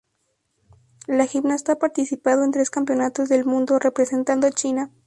La gimnasta ha participado en tres campeonatos del Mundo representando China.